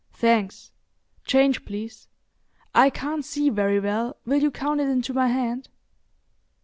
"Thanks. Change, please. I can't see very well—will you count it into my hand?"